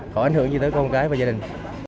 đó ảnh hưởng như tới con gái và gia đình